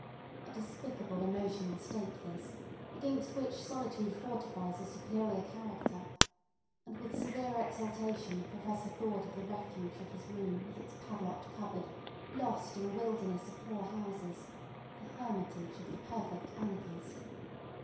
A despicable emotional state this, against which solitude fortifies a superior character; and with severe exultation the Professor thought of the refuge of his room, with its padlocked cupboard, lost in a wilderness of poor houses, the hermitage of the perfect anarchist.